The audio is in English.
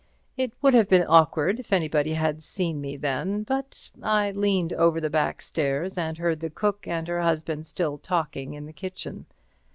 It would have been awkward if anybody had seen me then, but I leaned over the back stairs and heard the cook and her husband still talking in the kitchen.